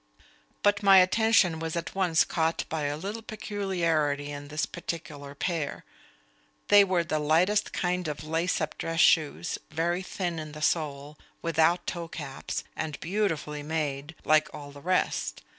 But my attention was at once caught by a little peculiarity in this particular pair. They were the lightest kind of lace up dress shoes, very thin in the sole, without toe caps, and beautifully made, like all the rest.